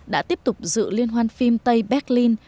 đã tiếp tục dự liên hoan phim tây berlin